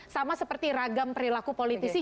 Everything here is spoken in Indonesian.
sama seperti ragam perilaku politisi